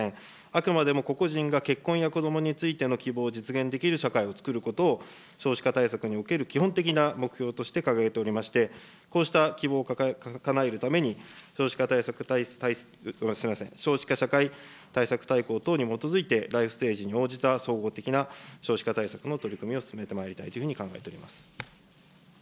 あくまでも個々人が結婚や子どもについての希望を実現できる社会をつくることを少子化対策における基本的な目標として掲げておりまして、こうした希望をかなえるために、少子化社会対策大綱等に基づいて、ライフステージに応じた総合的な少子化対策の取り組みを進めてまいりたいというふうに考えております。